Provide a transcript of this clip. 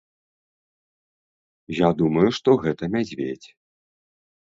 Я думаю, што гэта мядзведзь.